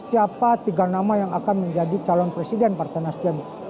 siapa tiga nama yang akan menjadi calon presiden partai nasdem